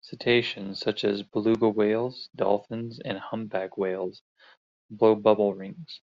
Cetaceans, such as beluga whales, dolphins and humpback whales, blow bubble rings.